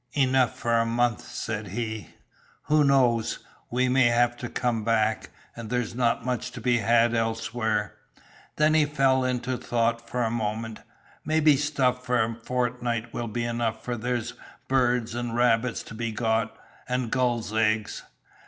"Enough for a month," said he, "who knows, we may have to come back, and there's not much to be had elsewhere." Then he fell into thought for a moment, "maybe stuff for a fortnight will be enough for there's birds and rabbits to be got, and gulls' eggs.